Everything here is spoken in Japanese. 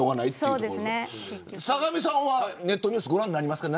坂上さんはネットニュース見ますか。